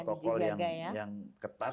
protokol yang ketat